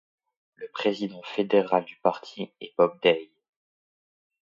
Le président fédéral du parti est Bob Day.